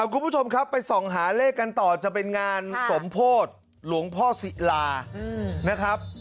คุณผู้ชมครับไปส่องหาเลขกันต่อจะเป็นงานสมโพธิหลวงพ่อศิลานะครับ